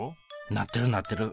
なってるなってる。